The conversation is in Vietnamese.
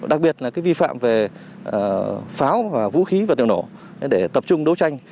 đặc biệt là vi phạm về pháo và vũ khí vật liệu nổ để tập trung đấu tranh